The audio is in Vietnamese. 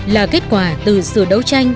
là kết quả từ sự đấu tranh